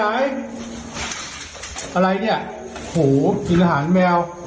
อะไรเนี่ยโหกินอาหารแมว